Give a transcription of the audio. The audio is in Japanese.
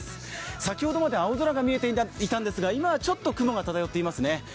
先ほどまで青空が見えていたんですが、今はちょっと雲が漂っていますね。